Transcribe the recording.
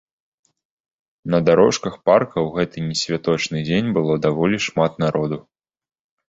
На дарожках парка ў гэты несвяточны дзень было даволі шмат народу.